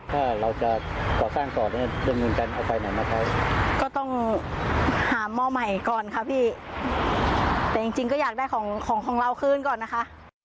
ถ้าเราจะก่อสร้างก่อนก็ต้องหาหม้อใหม่ก่อนค่ะพี่แต่จริงก็อยากได้ของของเราคืนก่อนนะคะ